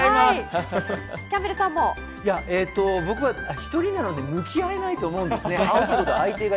僕は１人なので向き合えないと思います。